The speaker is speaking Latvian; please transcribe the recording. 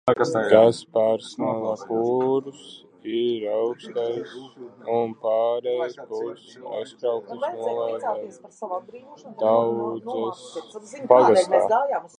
Gasparsona purvs ir augstais un pārejas purvs Aizkraukles novada Daudzeses pagastā.